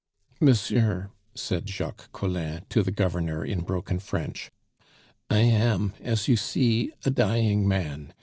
"Monsieur," said Jacques Collin to the Governor in broken French, "I am, as you see, a dying man.